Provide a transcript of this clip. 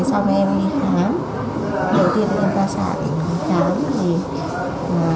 sau khi em đi khám đầu tiên em ra sạc em đi khám